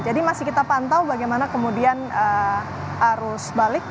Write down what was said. jadi masih kita pantau bagaimana kemudian arus balik